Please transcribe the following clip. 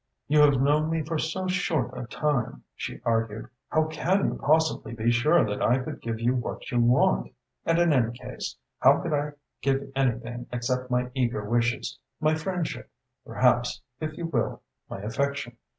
"You have known me for so short a time," she argued. "How can you possibly be sure that I could give you what you want? And in any case, how could I give anything except my eager wishes, my friendship perhaps, if you will, my affection?